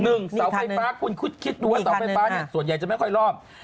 เสาไฟฟ้าคุณคิดดูว่าเสาไฟฟ้าเนี่ยส่วนใหญ่จะไม่ค่อยรอบ